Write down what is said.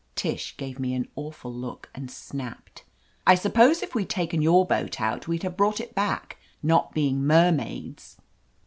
Tish gave me an awful look, and snapped : "I suppose if we'd taken your boat out, we'd have brought it back, not being mermaids."